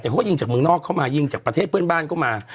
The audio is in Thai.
แต่เขาก็ยิงจากเมืองนอกเข้ามายิงจากประเทศเพื่อนบ้านเข้ามา